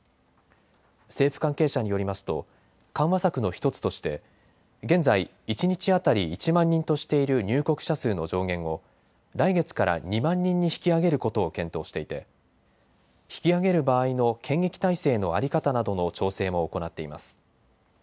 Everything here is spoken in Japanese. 政府関係者によりますと緩和策の１つとして現在、一日当たり１万人としている入国者数の上限を来月から２万人に引き上げることを検討していて引き上げる場合の検疫体制の在り方などの調整も行っています。